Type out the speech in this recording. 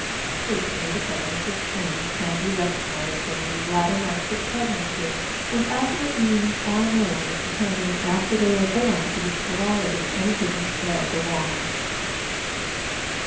Frequently, the presence of twins can be recognized during the latter months of pregnancy, and accurate means are known of determining after they are born to which variety any given pair belongs.